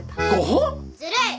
ずるい！